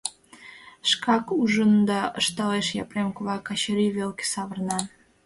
Шкак ужында, — ышталеш Епрем кува, Качырий велке савырна.